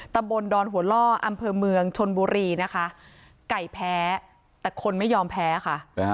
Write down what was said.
ตำบลดอนหัวล่ออำเภอเมืองชนบุรีนะคะไก่แพ้แต่คนไม่ยอมแพ้ค่ะ